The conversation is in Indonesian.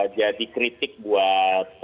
jadi kritik buat